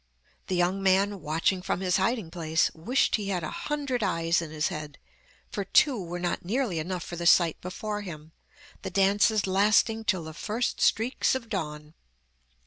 The young man, watching from his hiding place, wished he had a hundred eyes in his head, for two were not nearly enough for the sight before him, the dances lasting till the first streaks of dawn.